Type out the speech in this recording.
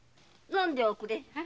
飲んでおくれ。